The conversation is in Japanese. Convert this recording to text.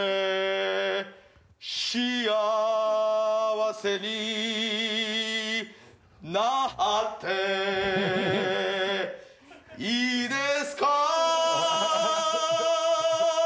幸せになっていいですか？